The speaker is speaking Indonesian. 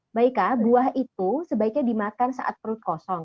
mbak ika buah itu sebaiknya dimakan saat perut kosong